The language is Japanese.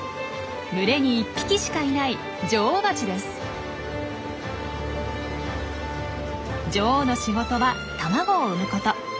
群れに１匹しかいない女王の仕事は卵を産むこと。